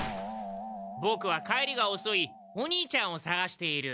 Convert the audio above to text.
ボクは帰りがおそいお兄ちゃんをさがしている。